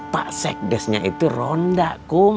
pak sekdesnya itu ronda ku